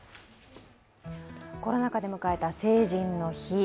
コロナ禍で迎えた成人の日。